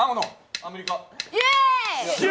アメリカ。